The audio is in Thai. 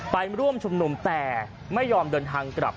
ไปร่วมชุมนุมแต่ไม่ยอมเดินทางกลับ